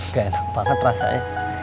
gak enak banget rasanya